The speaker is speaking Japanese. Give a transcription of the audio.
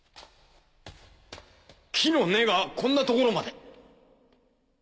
木の根がこんな所まで。